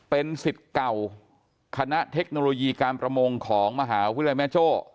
เป็นสิทธิ์เก่าคณะเทคโนโลยีการประมงของมหาวิทยาลัยแม่โจ้